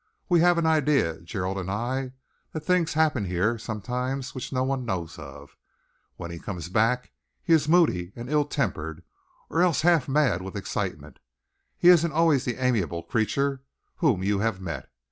We have an idea, Gerald and I, that things happen here sometimes which no one knows of. When he comes back, he is moody and ill tempered, or else half mad with excitement. He isn't always the amiable creature whom you have met.